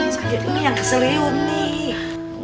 sakit ini yang keselih umi